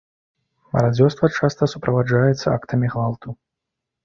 Марадзёрства часта суправаджаецца актамі гвалту.